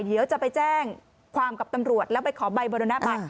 เดี๋ยวจะไปแจ้งความกับตำรวจแล้วไปขอใบบรณบัตร